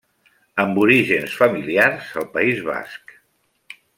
Amb orígens familiars al País Basc.